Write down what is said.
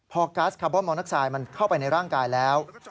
พอกัสคาร์บอนมอเตอร์ไซด์มันเข้าไปในร่างกายแล้ว